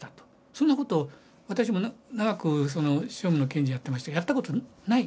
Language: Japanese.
そんなこと私も長く訟務の検事やってましたけどやったことない。